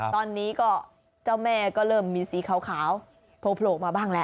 ตอนนี้ก็เจ้าแม่ก็เริ่มมีสีขาวโผล่มาบ้างแล้ว